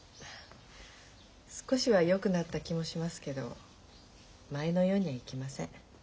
少しはよくなった気もしますけど前のようにはいきません。